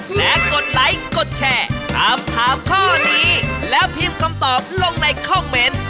และกดไลค์กดแชร์ถามถามข้อนี้แล้วพิมพ์คำตอบลงในคอมเมนต์